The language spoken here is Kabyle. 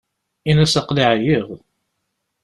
Ini-as aql-i ɛyiɣ.